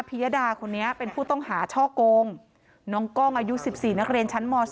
ยดาคนนี้เป็นผู้ต้องหาช่อกงน้องกล้องอายุ๑๔นักเรียนชั้นม๒